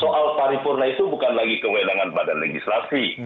soal paripurna itu bukan lagi kewenangan badan legislasi